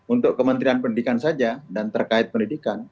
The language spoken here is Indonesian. untuk kementerian pendidikan saja dan terkait pendidikan